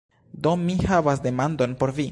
Do, mi havas demandon por vi.